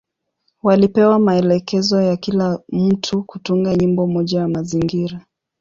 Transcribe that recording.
Walipewa maelekezo ya kila mtu kutunga nyimbo moja ya mazingira.